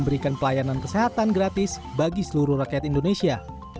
dan kesehatan gratis bagi seluruh rakyat indonesia